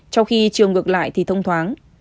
trong khi trường ngược lại thì thông thoáng